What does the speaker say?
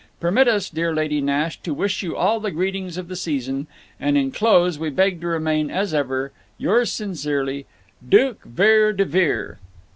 Permit us, dear Lady Nash, to wish you all the greetings of the season, and in close we beg to remain, as ever, Yours sincerely, DUKE VERE DE VERE.